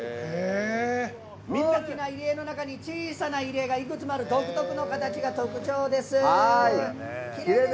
大きな入り江の中に小さな入り江がたくさんある独特の形が特徴です。